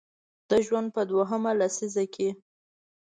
د ژوند په دویمه لسیزه کې